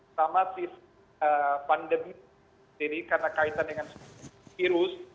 pertama sisi pandemi ini karena kaitan dengan virus